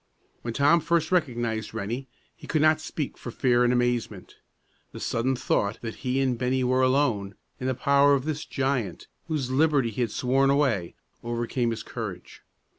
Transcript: When Tom first recognized Rennie, he could not speak for fear and amazement. The sudden thought that he and Bennie were alone, in the power of this giant whose liberty he had sworn away, overcame his courage.